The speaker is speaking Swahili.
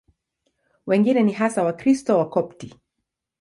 Wengine ni hasa Wakristo Wakopti.